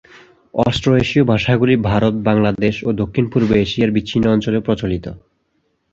অস্ট্রো-এশীয় ভাষাগুলি ভারত, বাংলাদেশ ও দক্ষিণ-পূর্ব এশিয়ার বিচ্ছিন্ন অঞ্চলে প্রচলিত।